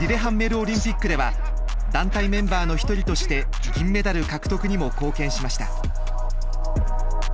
オリンピックでは団体メンバーの一人として銀メダル獲得にも貢献しました。